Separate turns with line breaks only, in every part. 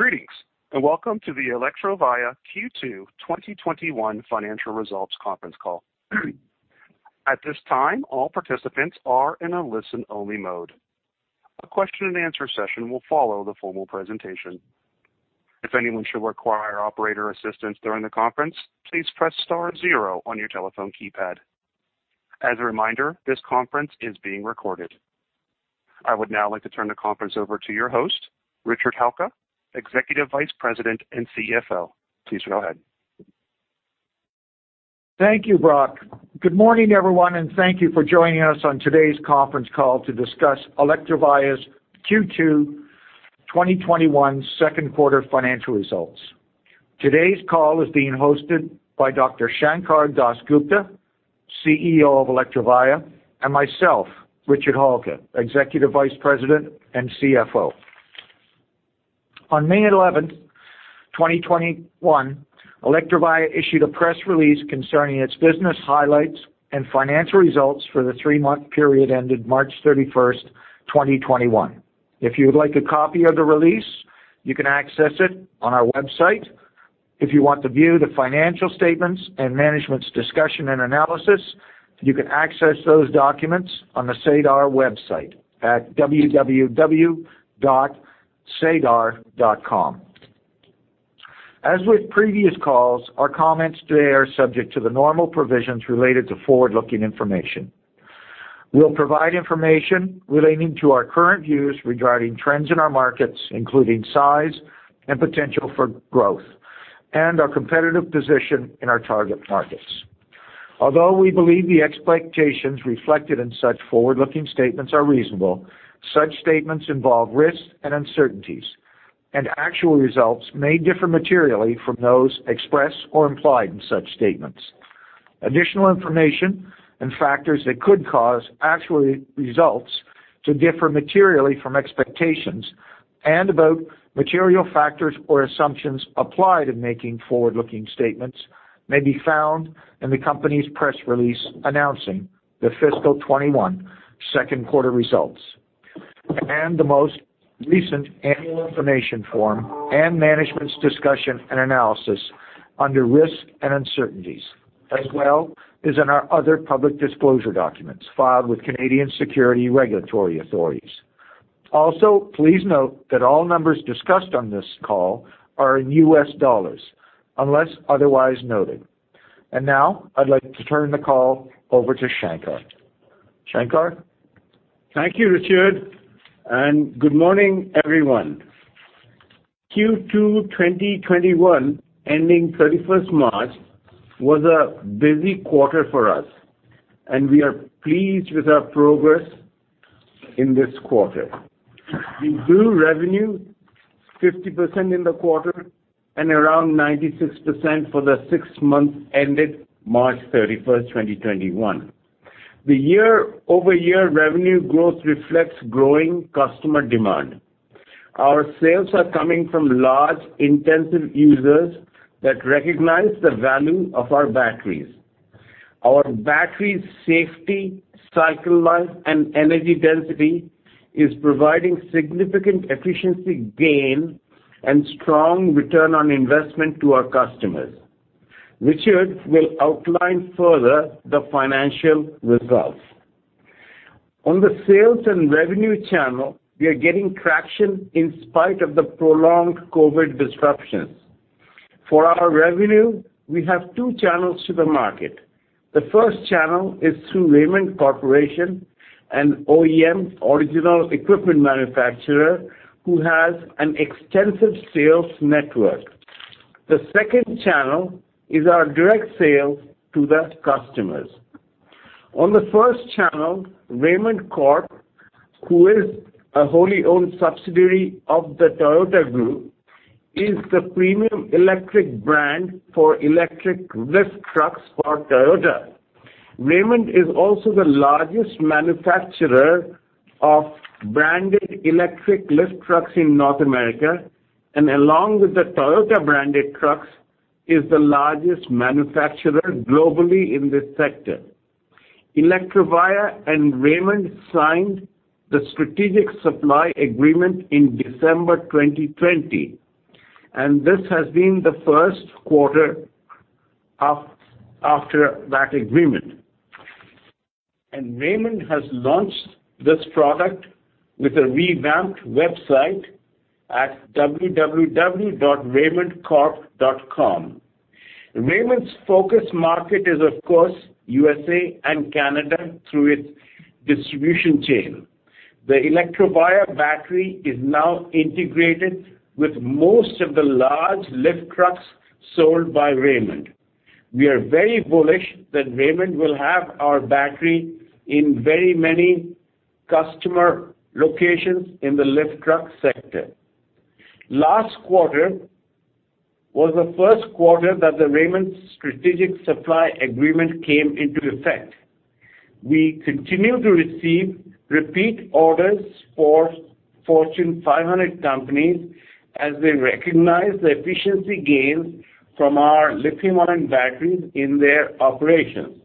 Greetings, and Welcome to the Electrovaya Q2 2021 financial results conference call. At this time, all participants are in a listen-only mode. A question and answer session will follow the formal presentation. If anyone should require operator assistance during the conference, please press star zero on your telephone keypad. As a reminder, this conference is being recorded. I would now like to turn the conference over to your host, Richard Halka, Executive Vice President and CFO. Please go ahead.
Thank you, Brock. Good morning, everyone, and thank you for joining us on today's conference call to discuss Electrovaya's Q2 2021 second quarter financial results. Today's call is being hosted by Dr. Sankar Das Gupta, CEO of Electrovaya, and myself, Richard Halka, Executive Vice President and CFO. On May 11, 2021, Electrovaya issued a press release concerning its business highlights and financial results for the three-month period ended March 31st, 2021. If you would like a copy of the release, you can access it on our website. If you want to view the financial statements and management's discussion and analysis, you can access those documents on the SEDAR+ website at www.sedar.com. As with previous calls, our comments today are subject to the normal provisions related to forward-looking information. We'll provide information relating to our current views regarding trends in our markets, including size and potential for growth, and our competitive position in our target markets. Although we believe the expectations reflected in such forward-looking statements are reasonable, such statements involve risks and uncertainties, and actual results may differ materially from those expressed or implied in such statements. Additional information and factors that could cause actual results to differ materially from expectations, and about material factors or assumptions applied in making forward-looking statements may be found in the company's press release announcing the fiscal 2021 second quarter results. The most recent annual information form and management's discussion and analysis under risks and uncertainties, as well as in our other public disclosure documents filed with Canadian security regulatory authorities. Also, please note that all numbers discussed on this call are in U.S. dollars, unless otherwise noted. Now, I'd like to turn the call over to Sankar. Sankar?
Thank you, Richard, and good morning, everyone. Q2 2021, ending 31st March, was a busy quarter for us, and we are pleased with our progress in this quarter. We grew revenue 50% in the quarter, and around 96% for the six months ended March 31st, 2021. The year-over-year revenue growth reflects growing customer demand. Our sales are coming from large intensive users that recognize the value of our batteries. Our battery safety, cycle life, and energy density is providing significant efficiency gain and strong return on investment to our customers. Richard will outline further the financial results. On the sales and revenue channel, we are getting traction in spite of the prolonged COVID disruptions. For our revenue, we have two channels to the market. The first channel is through Raymond Corporation, an OEM, original equipment manufacturer, who has an extensive sales network. The second channel is our direct sale to the customers. On the first channel, Raymond Corp, who is a wholly-owned subsidiary of the Toyota group, is the premium electric brand for electric lift trucks for Toyota. Raymond is also the largest manufacturer of branded electric lift trucks in North America, and along with the Toyota-branded trucks, is the largest manufacturer globally in this sector. Electrovaya and Raymond signed the strategic supply agreement in December 2020. This has been the first quarter after that agreement. Raymond has launched this product with a revamped website at www.raymondcorp.com. Raymond's focus market is, of course, USA and Canada through its distribution chain. The Electrovaya battery is now integrated with most of the large lift trucks sold by Raymond. We are very bullish that Raymond will have our battery in very many customer locations in the lift truck sector. Last quarter was the first quarter that the Raymond strategic supply agreement came into effect. We continue to receive repeat orders for Fortune 500 companies as they recognize the efficiency gains from our lithium-ion batteries in their operations.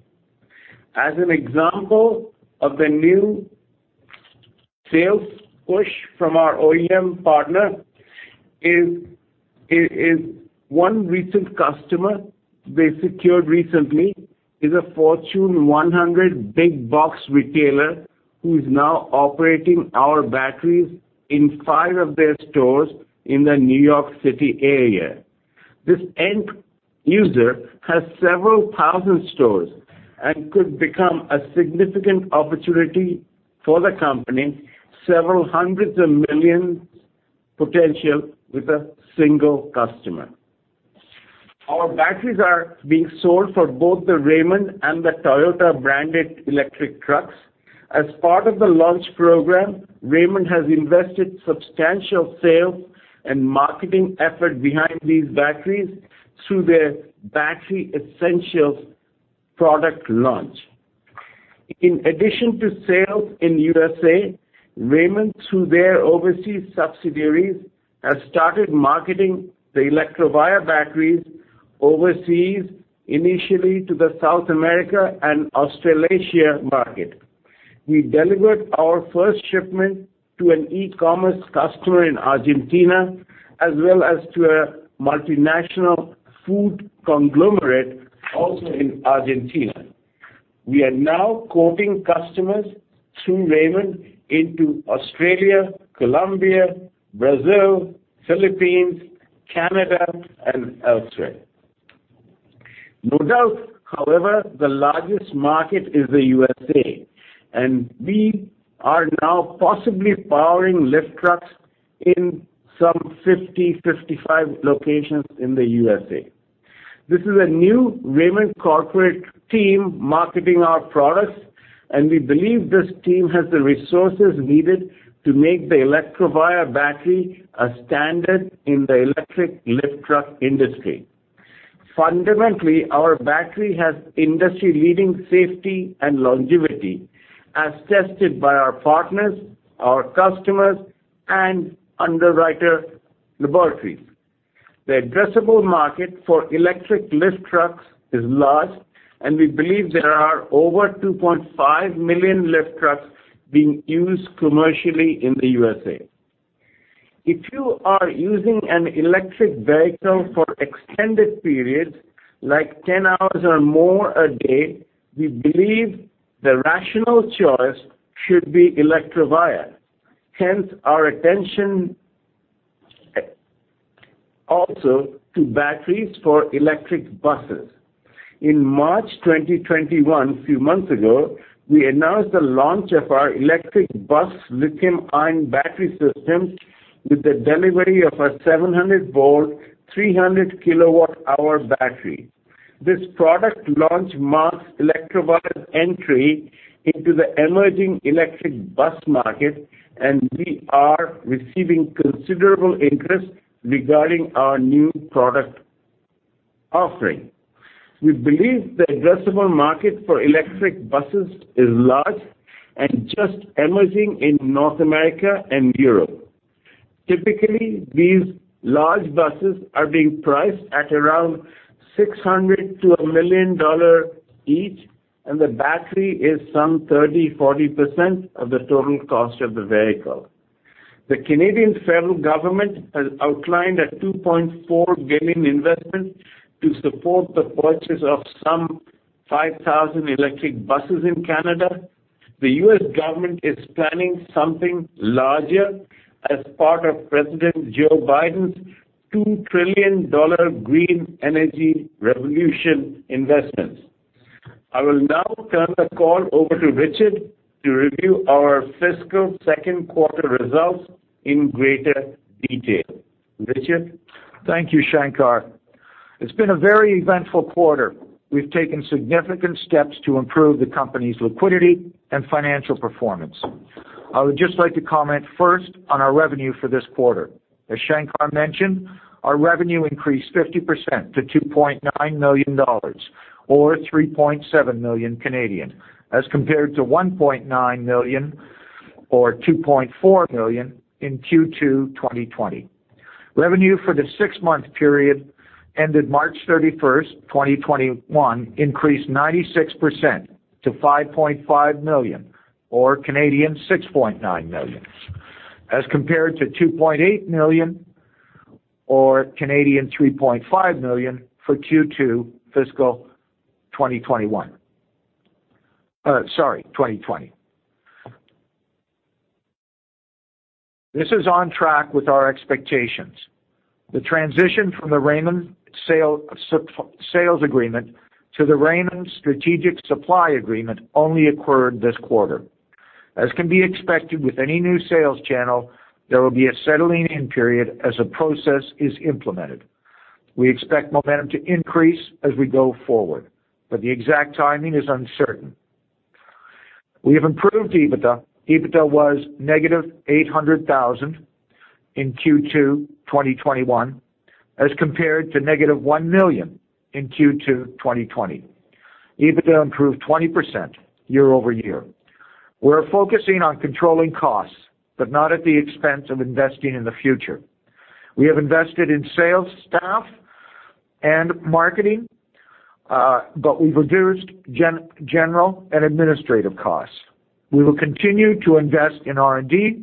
As an example of the new sales push from our OEM partner is one recent customer they secured recently is a Fortune 100 big box retailer who is now operating our batteries in five of their stores in the New York City area. This end user has several thousand stores and could become a significant opportunity for the company, several hundreds of millions potential with a single customer. Our batteries are being sold for both the Raymond and the Toyota-branded electric trucks. As part of the launch program, Raymond has invested substantial sales and marketing effort behind these batteries through their Battery Essentials product launch. In addition to sales in U.S.A., Raymond, through their overseas subsidiaries, have started marketing the Electrovaya batteries overseas, initially to the South America and Australasia market. We delivered our first shipment to an e-commerce customer in Argentina, as well as to a multinational food conglomerate also in Argentina. We are now quoting customers through Raymond into Australia, Colombia, Brazil, Philippines, Canada, and elsewhere. No doubt, however, the largest market is the U.S.A., and we are now possibly powering lift trucks in some 50, 55 locations in the U.S.A. This is a new Raymond corporate team marketing our products, and we believe this team has the resources needed to make the Electrovaya battery a standard in the electric lift truck industry. Fundamentally, our battery has industry-leading safety and longevity, as tested by our partners, our customers, and Underwriters Laboratories. The addressable market for electric lift trucks is large, and we believe there are over 2.5 million lift trucks being used commercially in the U.S.A. If you are using an electric vehicle for extended periods, like 10 hours or more a day, we believe the rational choice should be Electrovaya. Hence, our attention also to batteries for electric buses. In March 2021, a few months ago, we announced the launch of our electric bus lithium-ion battery system with the delivery of a 700-volt, 300-kWh battery. This product launch marks Electrovaya's entry into the emerging electric bus market, and we are receiving considerable interest regarding our new product offering. We believe the addressable market for electric buses is large and just emerging in North America and Europe. Typically, these large buses are being priced at around $600-$1 million each, and the battery is some 30%-40% of the total cost of the vehicle. The Canadian federal government has outlined a $2.4 billion investment to support the purchase of some 5,000 electric buses in Canada. The U.S. government is planning something larger as part of President Joe Biden's $2 trillion green energy revolution investments. I will now turn the call over to Richard to review our fiscal second quarter results in greater detail. Richard?
Thank you, Sankar. It has been a very eventful quarter. We have taken significant steps to improve the company's liquidity and financial performance. I would just like to comment first on our revenue for this quarter. As Sankar mentioned, our revenue increased 50% to $2.9 million, or 3.7 million, as compared to $1.9 million or 2.4 million in Q2 2020. Revenue for the six-month period ended March 31st, 2021, increased 96% to $5.5 million or 6.9 million, as compared to $2.8 million or 3.5 million for Q2 fiscal 2020. This is on track with our expectations. The transition from the Raymond sales agreement to the Raymond strategic supply agreement only occurred this quarter. As can be expected with any new sales channel, there will be a settling-in period as a process is implemented. We expect momentum to increase as we go forward, but the exact timing is uncertain. We have improved EBITDA. EBITDA was -$800,000 in Q2 2021 as compared to -$1 million in Q2 2020. EBITDA improved 20% year-over-year. We're focusing on controlling costs, not at the expense of investing in the future. We have invested in sales staff and marketing, we've reduced general and administrative costs. We will continue to invest in R&D,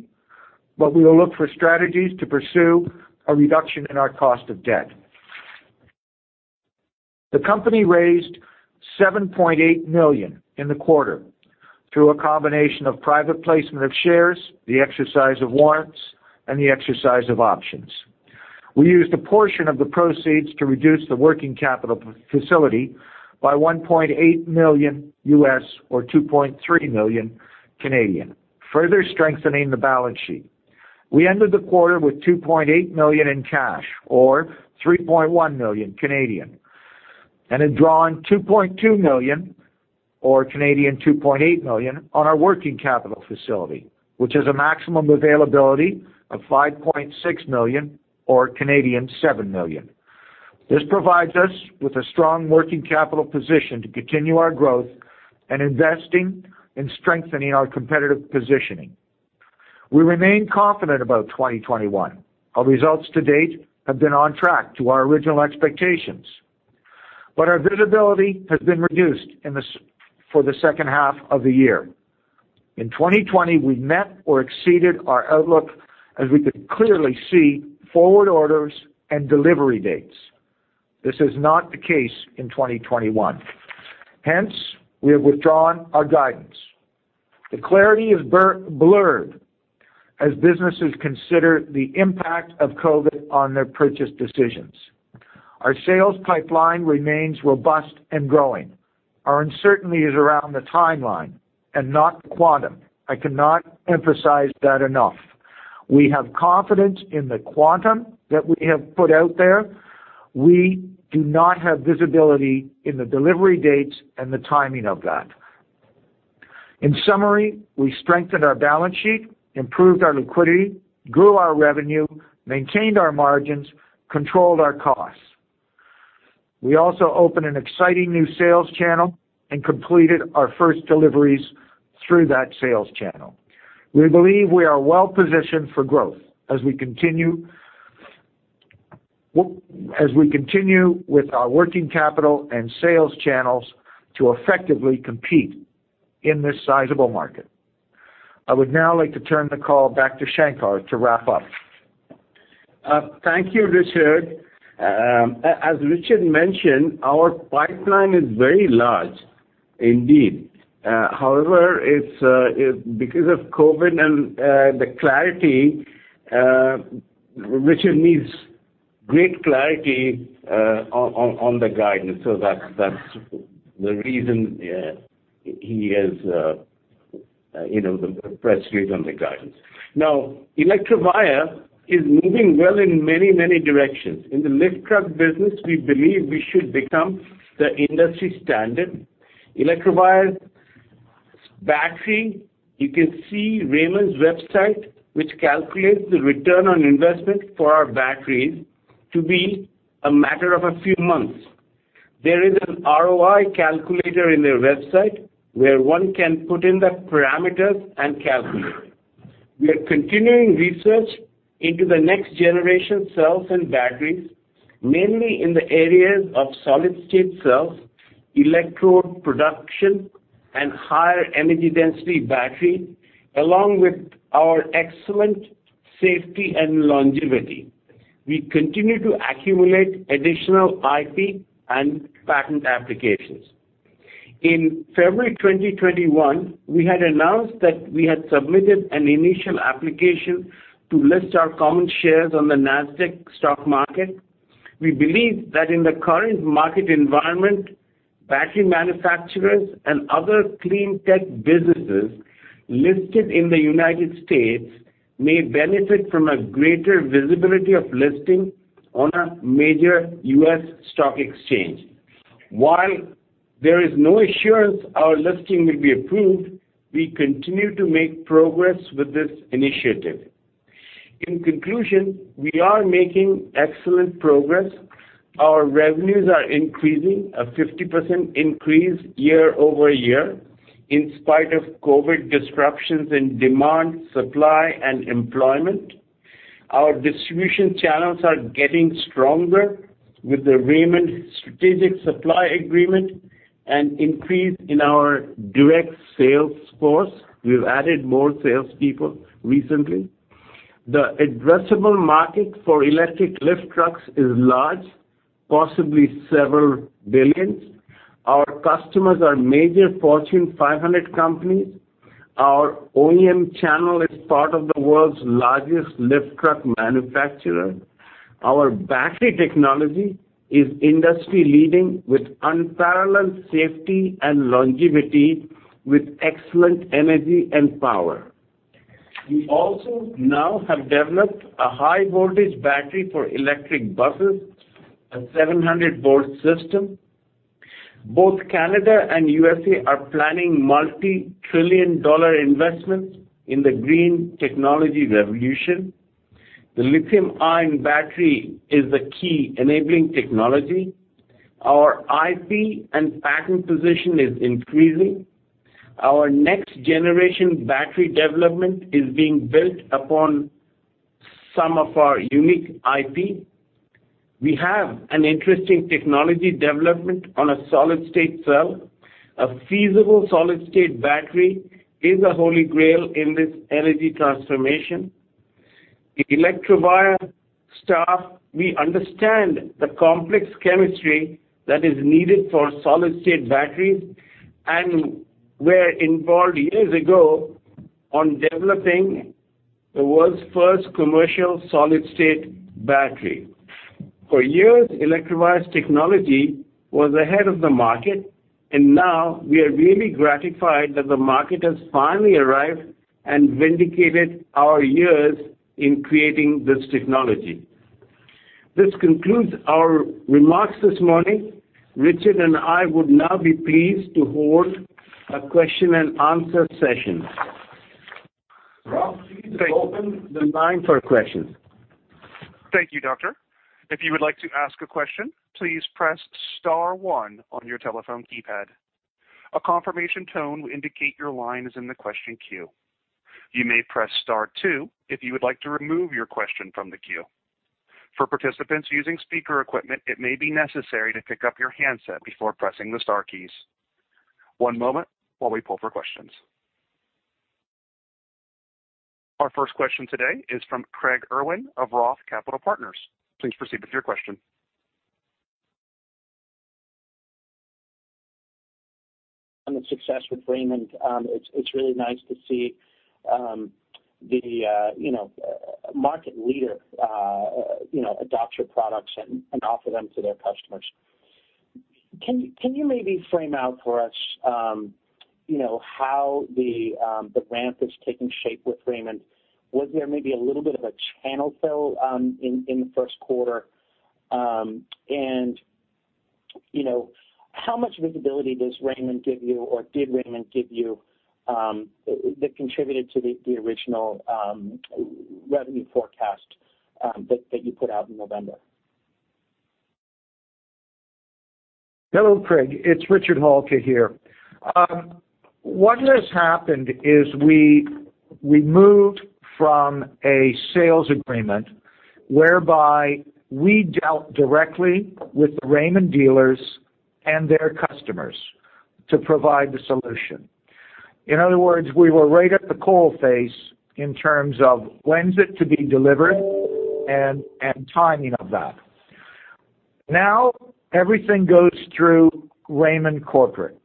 we will look for strategies to pursue a reduction in our cost of debt. The company raised $7.8 million in the quarter through a combination of private placement of shares, the exercise of warrants, and the exercise of options. We used a portion of the proceeds to reduce the working capital facility by $1.8 million, or 2.3 million, further strengthening the balance sheet. We ended the quarter with $2.8 million in cash, or 3.1 million, and had drawn $2.2 million, or 2.8 million, on our working capital facility, which has a maximum availability of $5.6 million, or 7 million. This provides us with a strong working capital position to continue our growth and investing in strengthening our competitive positioning. We remain confident about 2021. Our results to date have been on track to our original expectations, but our visibility has been reduced for the second half of the year. In 2020, we met or exceeded our outlook, as we could clearly see forward orders and delivery dates. This is not the case in 2021. Hence, we have withdrawn our guidance. The clarity is blurred as businesses consider the impact of COVID on their purchase decisions. Our sales pipeline remains robust and growing. Our uncertainty is around the timeline and not quantum. I cannot emphasize that enough. We have confidence in the quantum that we have put out there. We do not have visibility in the delivery dates and the timing of that. In summary, we strengthened our balance sheet, improved our liquidity, grew our revenue, maintained our margins, controlled our costs. We also opened an exciting new sales channel and completed our first deliveries through that sales channel. We believe we are well-positioned for growth as we continue with our working capital and sales channels to effectively compete in this sizable market. I would now like to turn the call back to Sankar to wrap up.
Thank you, Richard. As Richard mentioned, our pipeline is very large indeed. Because of COVID and the clarity, Richard needs great clarity on the guidance. That's the reason he has pressed reset on the guidance. Electrovaya is moving well in many directions. In the lift truck business, we believe we should become the industry standard. Electrovaya's battery, you can see Raymond's website, which calculates the return on investment for our batteries to be a matter of a few months. There is an ROI calculator in their website where one can put in the parameters and calculate. We are continuing research into the next generation cells and batteries, mainly in the areas of solid-state cells, electrode production, and higher energy density battery, along with our excellent safety and longevity. We continue to accumulate additional IP and patent applications. In February 2021, we had announced that we had submitted an initial application to list our common shares on the Nasdaq stock market. We believe that in the current market environment, battery manufacturers and other clean tech businesses listed in the United States may benefit from a greater visibility of listing on a major U.S. stock exchange. While there is no assurance our listing will be approved, we continue to make progress with this initiative. In conclusion, we are making excellent progress. Our revenues are increasing, a 50% increase year-over-year, in spite of COVID disruptions in demand, supply, and employment. Our distribution channels are getting stronger with the Raymond strategic supply agreement and increase in our direct sales force. We've added more salespeople recently. The addressable market for electric lift trucks is large, possibly several billions. Our customers are major Fortune 500 companies. Our OEM channel is part of the world's largest lift truck manufacturer. Our battery technology is industry-leading, with unparalleled safety and longevity, with excellent energy and power. We also now have developed a high-voltage battery for E-buses, a 700-volt system. Both Canada and U.S.A. are planning multi-trillion-dollar investments in the green technology revolution. The lithium-ion battery is the key enabling technology. Our IP and patent position is increasing. Our next-generation battery development is being built upon some of our unique IP. We have an interesting technology development on a solid-state cell. A feasible solid-state battery is a holy grail in this energy transformation. Electrovaya staff, we understand the complex chemistry that is needed for solid-state batteries, and were involved years ago on developing the world's first commercial solid-state battery. For years, Electrovaya's technology was ahead of the market, now we are really gratified that the market has finally arrived and vindicated our years in creating this technology. This concludes our remarks this morning. Richard and I would now be pleased to hold a question and answer session. Brock, please open the line for questions.
Thank you, doctor. If you would like to ask a question, please press star one on your telephone keypad. A confirmation tone indicates your line is in the question queue. You may press star two if you would like to remove your question from the queue. For participants using speaker equipment, it may be necessary to pick up your handset before pressing the star key. One moment while we pull for question. Our first question today is from Craig Irwin of Roth Capital Partners. Please proceed with your question.
On the success with Raymond, it's really nice to see the market leader adopt your products and offer them to their customers. Can you maybe frame out for us how the ramp is taking shape with Raymond? Was there maybe a little bit of a channel fill in the first quarter? How much visibility does Raymond give you or did Raymond give you that contributed to the original revenue forecast that you put out in November?
Hello, Craig. It's Richard Halka here. What has happened is we moved from a sales agreement whereby we dealt directly with the Raymond dealers and their customers to provide the solution. In other words, we were right at the coal face in terms of when's it to be delivered and timing of that. Now, everything goes through Raymond corporate.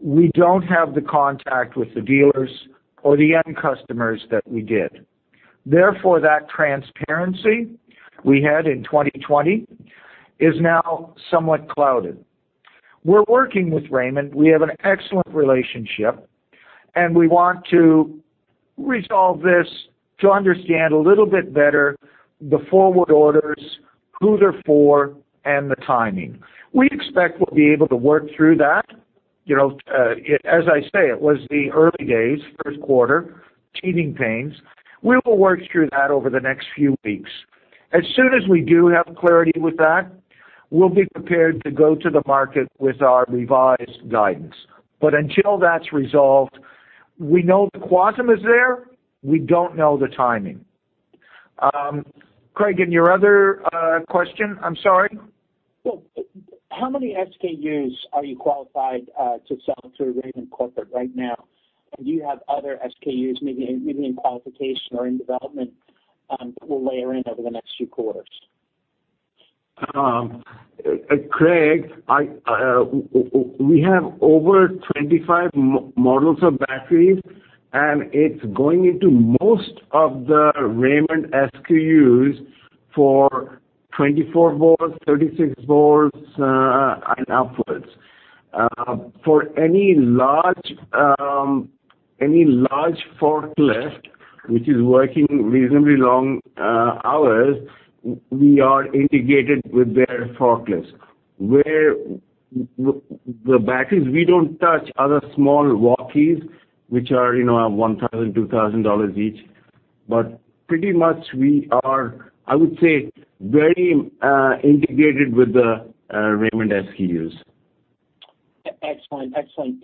We don't have the contact with the dealers or the end customers that we did. Therefore, that transparency we had in 2020 is now somewhat clouded. We're working with Raymond. We have an excellent relationship, we want to resolve this to understand a little bit better the forward orders, who they're for, and the timing. We expect we'll be able to work through that. As I say, it was the early days, first quarter, teething pains. We will work through that over the next few weeks. As soon as we do have clarity with that, we'll be prepared to go to the market with our revised guidance. Until that's resolved, we know the quantum is there. We don't know the timing. Craig, your other question, I'm sorry?
Well, how many SKUs are you qualified to sell to Raymond corporate right now? Do you have other SKUs maybe in qualification or in development that will layer in over the next few quarters?
Craig, we have over 25 models of batteries, and it's going into most of the Raymond SKUs for 24 volts, 36 volts, and upwards. For any large forklift, which is working reasonably long hours, we are integrated with their forklifts. Where the batteries, we don't touch other small walkies, which are $1,000, $2,000 each. Pretty much we are, I would say, very integrated with the Raymond SKUs.
Excellent.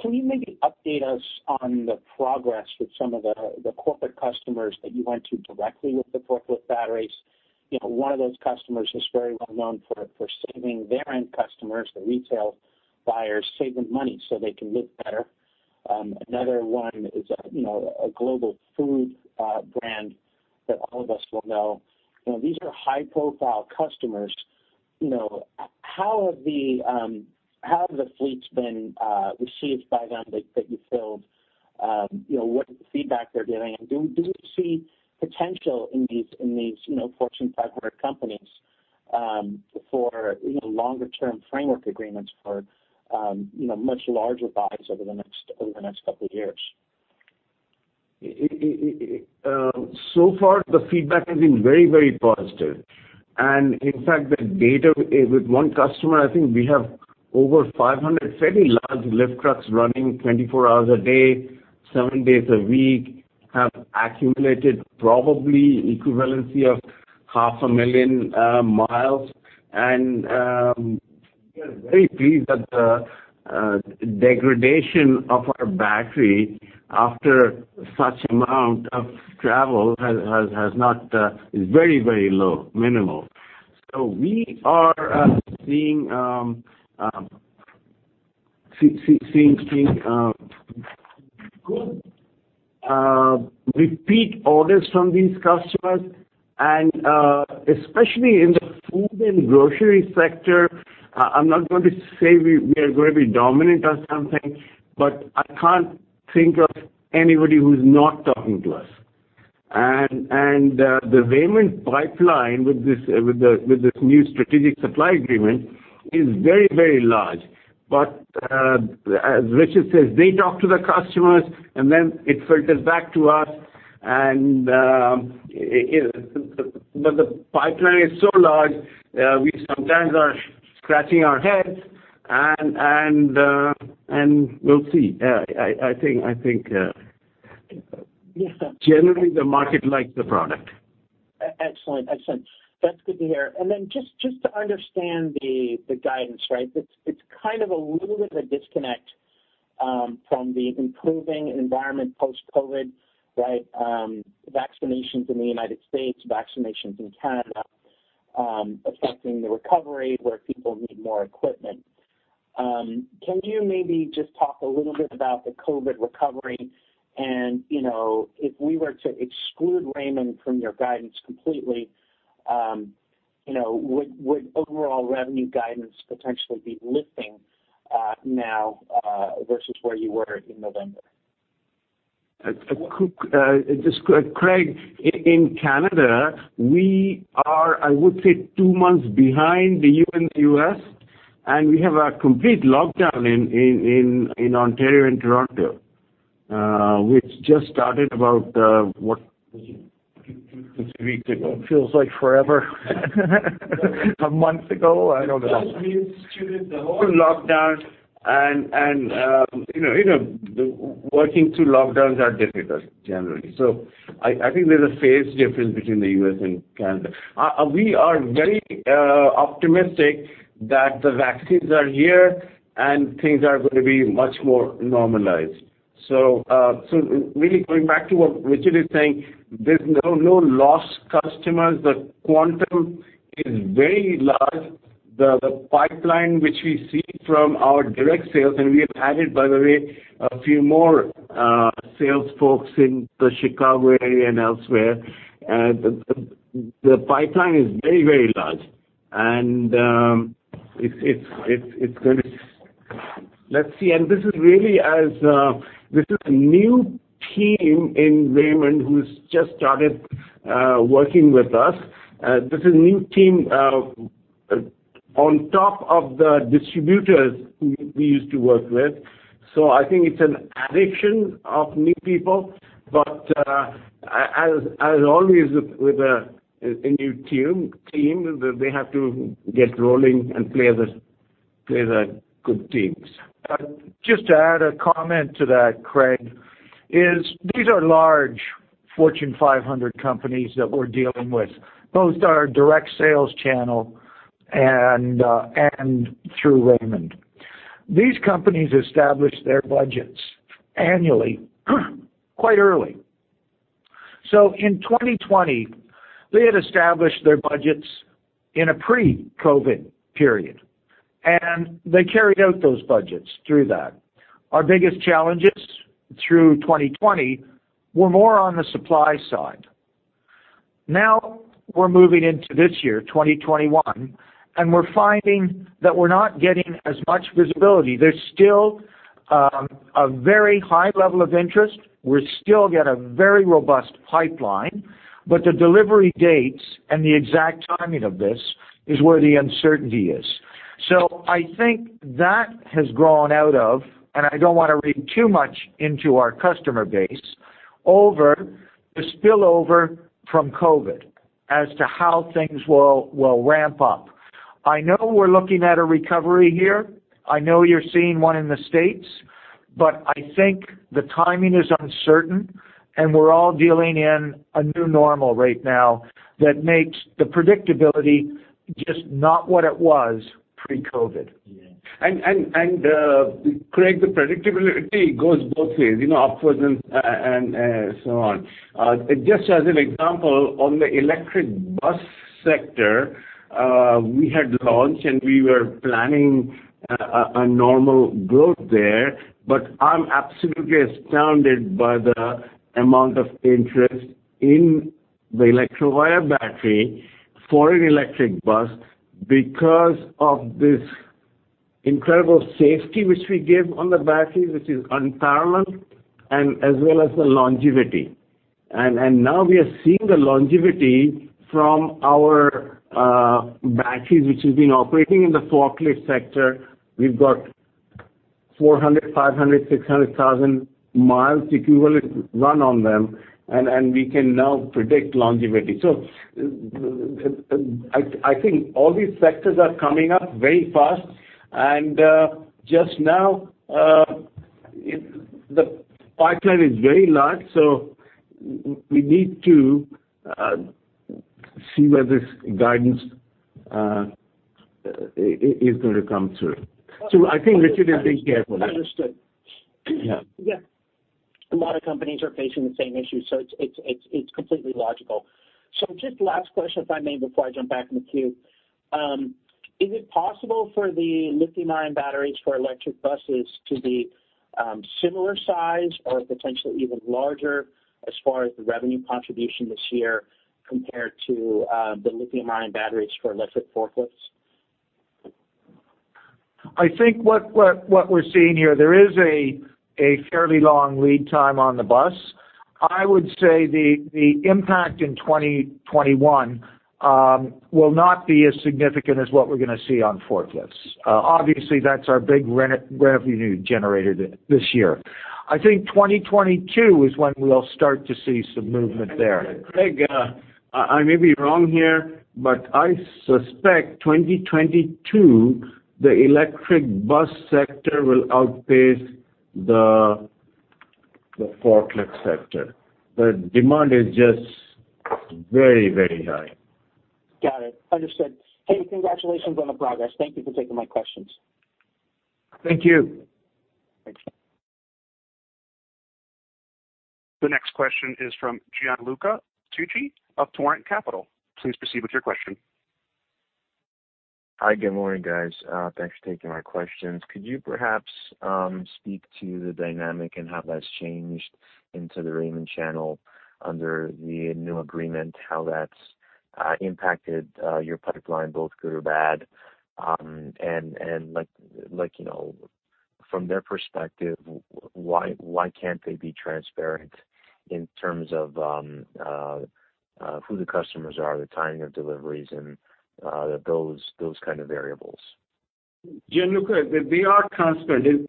Can you maybe update us on the progress with some of the corporate customers that you went to directly with the forklift batteries? One of those customers is very well known for saving their end customers, the retail buyers, saving money so they can live better. Another one is a global food brand that all of us will know. These are high-profile customers. How have the fleets been received by them that you filled? What feedback they're giving? Do you see potential in these Fortune 500 companies for longer-term framework agreements for much larger buys over the next couple of years?
Far, the feedback has been very positive. In fact, the data with one customer, I think we have over 500 very large lift trucks running 24 hours a day seven days a week, have accumulated probably equivalency of half a million miles. We are very pleased that the degradation of our battery after such amount of travel is very low, minimal. We are seeing good repeat orders from these customers, and especially in the food and grocery sector. I'm not going to say we are going to be dominant or something, but I can't think of anybody who's not talking to us. The Raymond pipeline with this new strategic supply agreement is very large. As Richard says, they talk to the customers and then it filters back to us. The pipeline is so large, we sometimes are scratching our heads, and we'll see. I think generally the market likes the product.
Excellent. That's good to hear. Then just to understand the guidance, it's kind of a little bit of a disconnect from the improving environment post-COVID, right? Vaccinations in the United States, vaccinations in Canada, affecting the recovery where people need more equipment. Can you maybe just talk a little bit about the COVID recovery and, if we were to exclude Raymond from your guidance completely, would overall revenue guidance potentially be lifting now, versus where you were in November?
Craig, in Canada, we are, I would say two months behind the U.S., and we have a complete lockdown in Ontario and Toronto, which just started about, what, two, three weeks ago.
Feels like forever. A month ago, I don't know.
Through the whole lockdown and working through lockdowns are difficult, generally. I think there's a phase difference between the U.S. and Canada. We are very optimistic that the vaccines are here and things are going to be much more normalized. Really going back to what Richard is saying, there's no lost customers. The quantum is very large. The pipeline, which we see from our direct sales, and we have added, by the way, a few more sales folks in the Chicago area and elsewhere. The pipeline is very large. This is a new team in Raymond who's just started working with us. This is new team on top of the distributors who we used to work with. I think it's an addition of new people, but as always with a new team, they have to get rolling and play the good teams.
Just to add a comment to that, Craig, is these are large Fortune 500 companies that we're dealing with, both our direct sales channel and through Raymond. These companies establish their budgets annually, quite early. In 2020, they had established their budgets in a pre-COVID period, and they carried out those budgets through that. Our biggest challenges through 2020 were more on the supply side. Now we're moving into this year, 2021, and we're finding that we're not getting as much visibility. There's still a very high level of interest. We still get a very robust pipeline, but the delivery dates and the exact timing of this is where the uncertainty is. I think that has grown out of, and I don't want to read too much into our customer base, the spill over from COVID as to how things will ramp up. I know we're looking at a recovery here. I know you're seeing one in the U.S. I think the timing is uncertain and we're all dealing in a new normal right now that makes the predictability just not what it was pre-COVID.
Yeah. Craig, the predictability goes both ways, upwards and so on. Just as an example, on the electric bus sector, we had launched and we were planning a normal growth there, but I'm absolutely astounded by the amount of interest in the Electrovaya battery for an electric bus because of this incredible safety which we give on the battery, which is unparalleled, and as well as the longevity. Now we are seeing the longevity from our batteries, which has been operating in the forklift sector. We've got 400, 500, 600,000 miles equivalency run on them, and we can now predict longevity. I think all these sectors are coming up very fast and the pipeline is very large, so we need to see whether this guidance is going to come through. I think Richard is being careful there.
Understood.
Yeah.
Yeah. A lot of companies are facing the same issues, so it's completely logical. Just last question, if I may, before I jump back in the queue. Is it possible for the lithium-ion batteries for electric buses to be similar size or potentially even larger as far as the revenue contribution this year compared to the lithium-ion batteries for electric forklifts?
I think what we're seeing here, there is a fairly long lead time on the bus. I would say the impact in 2021 will not be as significant as what we're going to see on forklifts. Obviously, that's our big revenue generator this year. I think 2022 is when we'll start to see some movement there.
Craig, I may be wrong here, but I suspect 2022, the electric bus sector will outpace the forklift sector. The demand is just very, very high.
Got it. Understood. Hey, congratulations on the progress. Thank you for taking my questions.
Thank you.
Thanks.
The next question is from Gianluca Tucci of Torrent Capital. Please proceed with your question.
Hi, good morning, guys. Thanks for taking my questions. Could you perhaps speak to the dynamic and how that's changed into the Raymond channel under the new agreement, how that's impacted your pipeline, both good or bad? From their perspective, why can't they be transparent in terms of who the customers are, the timing of deliveries, and those kind of variables?
Gianluca, they are transparent. Let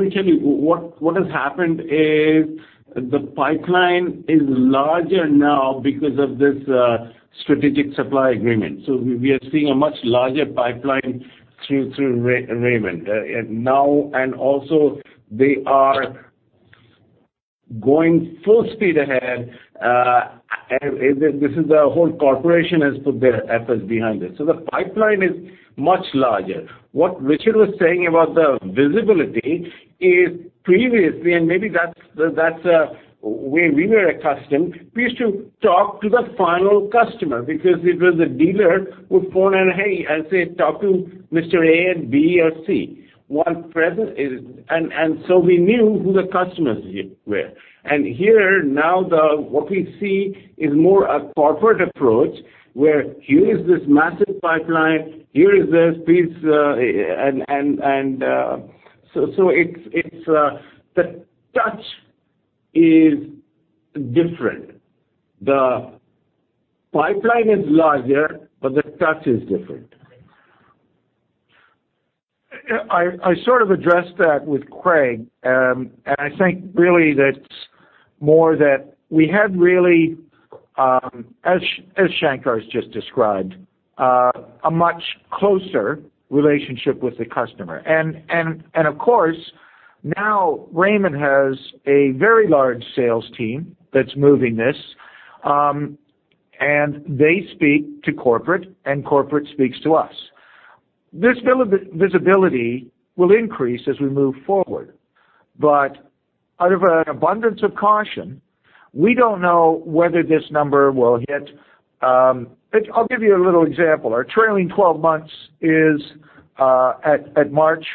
me tell you, what has happened is the pipeline is larger now because of this strategic supply agreement. We are seeing a much larger pipeline through Raymond. Also they are going full speed ahead. This is the whole corporation has put their efforts behind this. The pipeline is much larger. What Richard was saying about the visibility is previously, and maybe that's we were accustomed, we used to talk to the final customer because it was the dealer who phone in, "Hey," and say, "Talk to Mr. A or B or C." We knew who the customers were. Here now what we see is more a corporate approach where here is this massive pipeline, here is this piece. The touch is different. The pipeline is larger, but the touch is different.
I sort of addressed that with Craig. I think really that's more that we had really, as Sankar has just described, a much closer relationship with the customer. Of course, now Raymond has a very large sales team that's moving this, and they speak to corporate, and corporate speaks to us. This visibility will increase as we move forward. Out of an abundance of caution, we don't know whether this number will hit. I'll give you a little example. Our trailing 12 months at March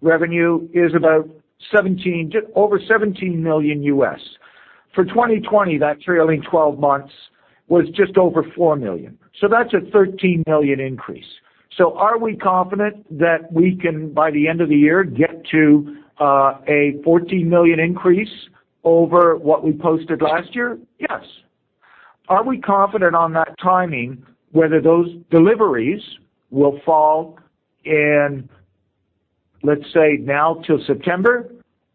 revenue is about 17, just over $17 million. For 2020, that trailing 12 months was just over $4 million. That's a $13 million increase. Are we confident that we can, by the end of the year, get to a $14 million increase over what we posted last year? Yes. Are we confident on that timing, whether those deliveries will fall in, let's say, now till September,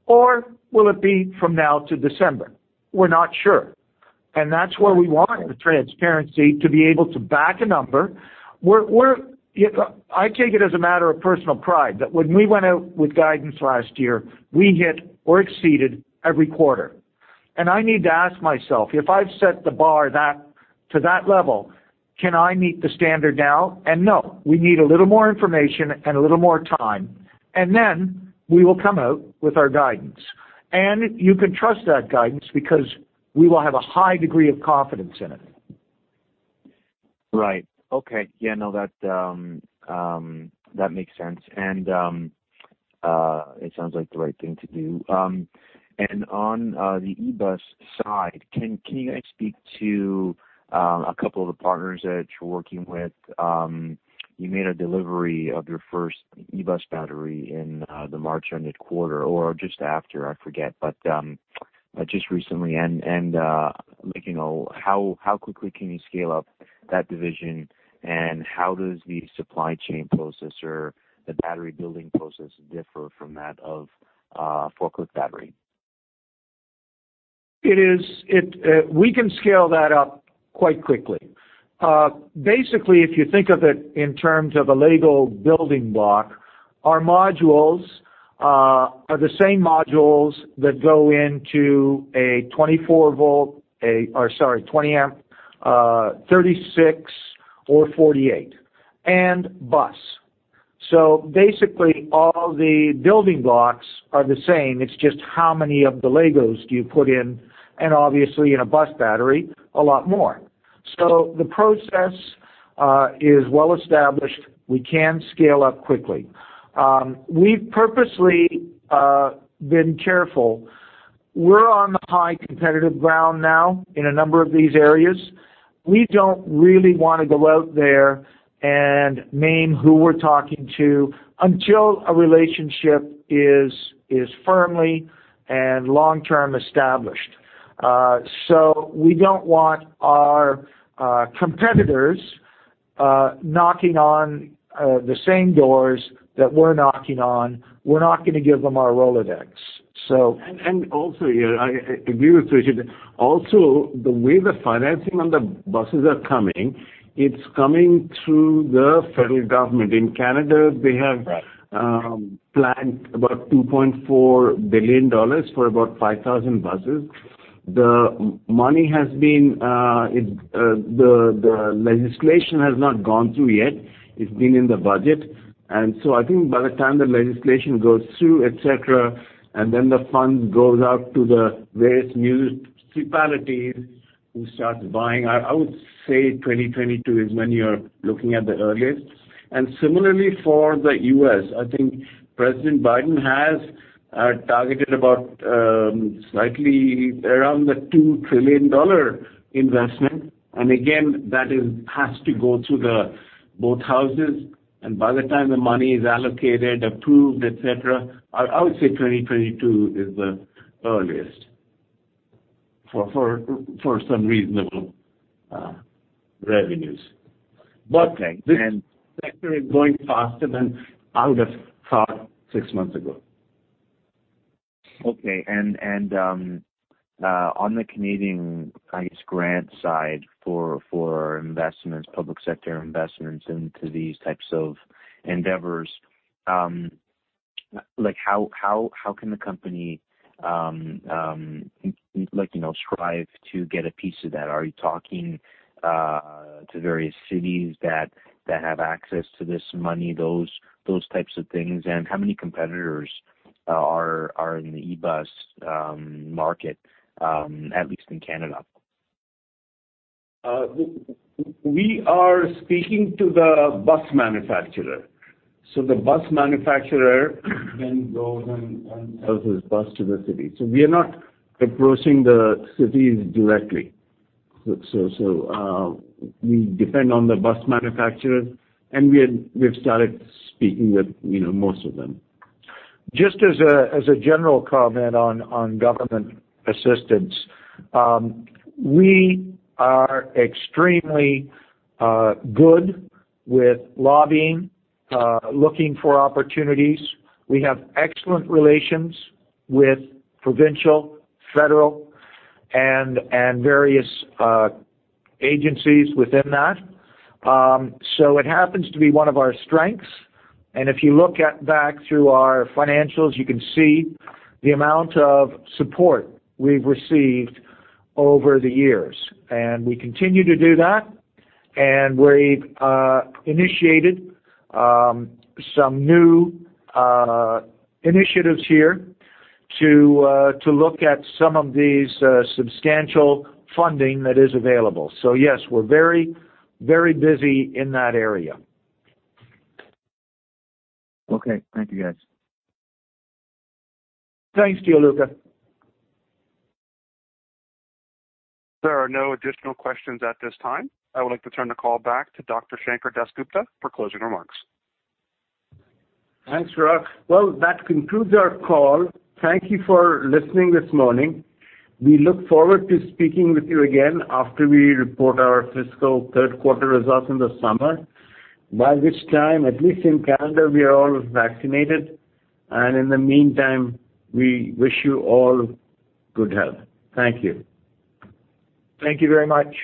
or will it be from now to December? We're not sure, and that's where we want the transparency to be able to back a number. I take it as a matter of personal pride that when we went out with guidance last year, we hit or exceeded every quarter. I need to ask myself, if I've set the bar to that level, can I meet the standard now? No. We need a little more information and a little more time, and then we will come out with our guidance. You can trust that guidance because we will have a high degree of confidence in it.
Right. Okay. Yeah, no, that makes sense. It sounds like the right thing to do. On the E-bus side, can you guys speak to a couple of the partners that you're working with? You made a delivery of your first E-bus battery in the March-ended quarter or just after, I forget, but just recently. How quickly can you scale up that division, and how does the supply chain process or the battery-building process differ from that of a forklift battery?
We can scale that up quite quickly. Basically, if you think of it in terms of a Lego building block, our modules are the same modules that go into a 24-volt, or sorry, 20 amp, 36 or 48, and bus. Basically, all the building blocks are the same. It's just how many of the Legos do you put in, and obviously in a bus battery, a lot more. The process is well-established. We can scale up quickly. We've purposely been careful. We're on the high competitive ground now in a number of these areas. We don't really want to go out there and name who we're talking to until a relationship is firmly and long-term established. We don't want our competitors knocking on the same doors that we're knocking on. We're not going to give them our Rolodex.
Also, I agree with Richard. Also, the way the financing on the buses are coming, it's coming through the federal government. In Canada, they have-
Right.
Planned about $2.4 billion for about 5,000 buses. The legislation has not gone through yet. It's been in the budget. I think by the time the legislation goes through, et cetera, and then the fund goes out to the various municipalities who start buying, I would say 2022 is when you're looking at the earliest. Similarly for the U.S., I think President Biden has targeted about slightly around the $2 trillion investment. Again, that has to go through the both Houses, and by the time the money is allocated, approved, et cetera, I would say 2022 is the earliest for some reasonable revenues.
Okay.
This sector is going faster than I would've thought six months ago.
Okay. On the Canadian, I guess, grant side for investments, public sector investments into these types of endeavors, how can the company strive to get a piece of that? Are you talking to various cities that have access to this money, those types of things? How many competitors are in the E-bus market, at least in Canada?
We are speaking to the bus manufacturer. The bus manufacturer then goes and sells his bus to the city. We are not approaching the cities directly. We depend on the bus manufacturer, and we've started speaking with most of them.
Just as a general comment on government assistance. We are extremely good with lobbying, looking for opportunities. We have excellent relations with provincial, federal, and various agencies within that. It happens to be one of our strengths. If you look at back through our financials, you can see the amount of support we've received over the years. We continue to do that, and we've initiated some new initiatives here to look at some of these substantial funding that is available. Yes, we're very busy in that area.
Okay. Thank you, guys.
Thanks to you, Luca.
There are no additional questions at this time. I would like to turn the call back to Dr. Sankar Das Gupta for closing remarks.
Thanks, Brock. Well, that concludes our call. Thank you for listening this morning. We look forward to speaking with you again after we report our fiscal third quarter results in the summer, by which time, at least in Canada, we are all vaccinated. In the meantime, we wish you all good health. Thank you.
Thank you very much.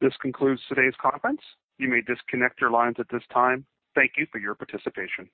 This concludes today's conference. You may disconnect your lines at this time. Thank you for your participation.